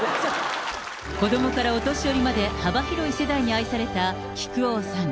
子どもからお年寄りまで幅広い世代に愛された木久扇さん。